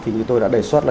thì như tôi đã đề xuất là